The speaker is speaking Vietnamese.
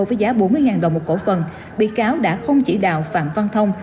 với giá bốn mươi đồng một cổ phần bị cáo đã không chỉ đạo phạm văn thông